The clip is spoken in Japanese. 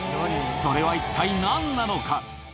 それは一体何なのか。